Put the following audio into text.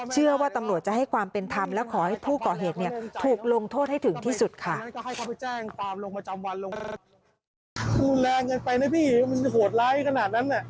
เชื่อว่าตำรวจจะให้ความเป็นธรรมและขอให้ผู้ก่อเหตุถูกลงโทษให้ถึงที่สุดค่ะ